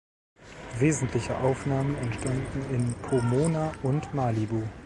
Wesentliche Aufnahmen entstanden in Pomona und Malibu.